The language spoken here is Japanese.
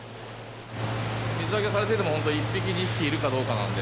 水揚げされてても、本当、１匹、２匹いるかどうかなんで。